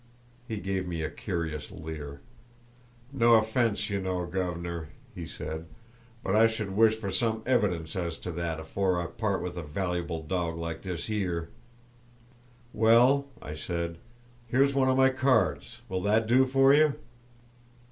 He gave me a curious leer. "No offence, you know, guv'nor," he said, "but I should wish for some evidence as to that afore I part with a vallyable dawg like this 'ere!" "Well," I said, "here's one of my cards; will that do for you?"